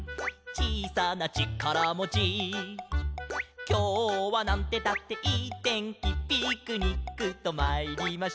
「ちいさなちからもち」「きょうはなんてったっていいてんき」「ピクニックとまいりましょう」